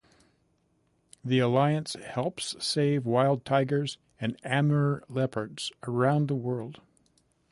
The alliance helps save wild tigers and Amur leopards around the world.